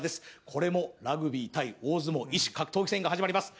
これもラグビー対大相撲異種格闘技戦が始まります